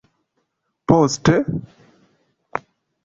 Poste?